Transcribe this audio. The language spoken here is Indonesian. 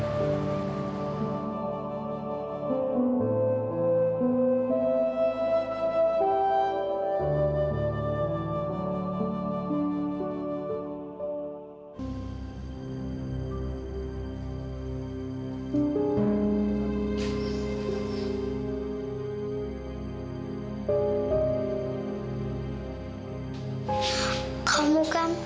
apa yang kamu lakukan